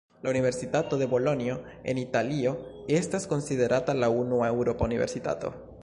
La Universitato de Bolonjo en Italio estas konsiderata la unua eŭropa universitato.